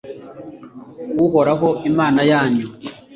uhoraho, imana yanyu